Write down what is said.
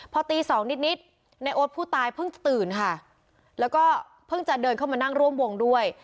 พอตีสองนิดนิดในโอ๊ตผู้ตายเพิ่งจะตื่นค่ะแล้วก็เพิ่งจะเดินเข้ามานั่งร่วมวงด้วย